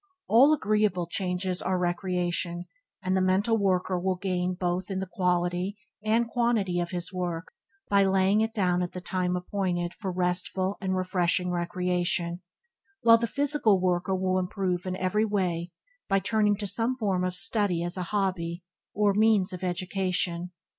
All agreeable changes is recreation and the mental worker will gain both in the quality and, quantity of his work by laying it down at the time appointed for restful and refreshing recreation; while the physical worker will improve in every way by turning to some form of study as a hobby or means of education.